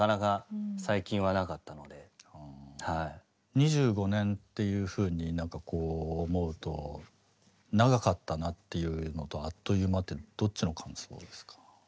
２５年っていうふうになんかこう思うと長かったなっていうのとあっという間ってどっちの感想ですか？